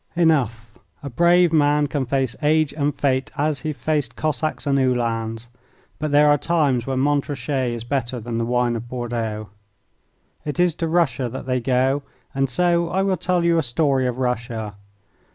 Enough a brave man can face age and fate as he faced Cossacks and Uhlans. But there are times when Montrachet is better than the wine of Bordeaux. It is to Russia that they go, and so I will tell you a story of Russia.